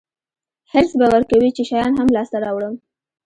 حرص به ورکوي چې شیان هم لاسته راوړم.